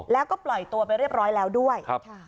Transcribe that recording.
แล้วก็ปล่อยตัวไปเรียบร้อยแล้วด้วย